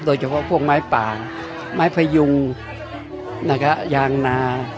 โดยเฉพาะพวกไม้ป่าไม้พยุงยางนา